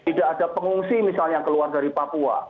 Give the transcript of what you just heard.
tidak ada pengungsi misalnya yang keluar dari papua